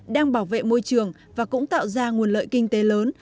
đang bảo vệ môi trường và cũng tạo ra nguồn lợi kinh tế lớn